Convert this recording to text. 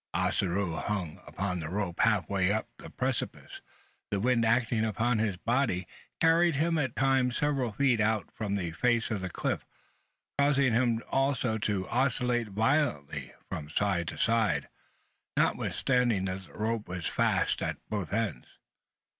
As Ossaroo hung upon the rope half way up the precipice, the wind acting upon his body, carried him at times several feet out from the face of the cliff causing him also to oscillate violently from side to side, notwithstanding that the rope was fast at both ends.